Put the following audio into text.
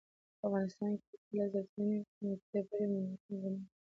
په افغنستان کې که زلزلې نه وای قیمتي ډبرې او منرالونه به نه وای.